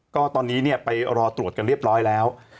ก็ตอนนี้ไปรอตรวจกันเรียบร้อยแล้ว